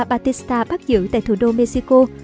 batista bắt giữ tại thủ đô mexico